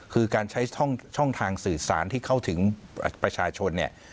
คือการใช้ช่องทางสื่อสารที่เข้าถึงประชาชนเนี่ย